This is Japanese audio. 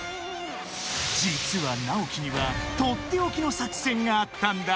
［実は直樹にはとっておきの作戦があったんだ］